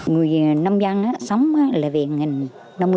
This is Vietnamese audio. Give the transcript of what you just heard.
người nam văn